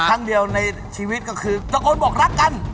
ครั้งเดียวในชีวิตก็คือตะโกนบอกรักกัน